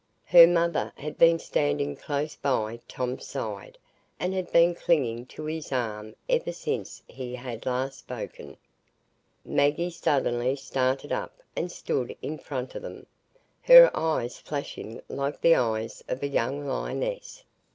Her mother had been standing close by Tom's side, and had been clinging to his arm ever since he had last spoken; Maggie suddenly started up and stood in front of them, her eyes flashing like the eyes of a young lioness.